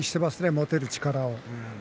持てる力を。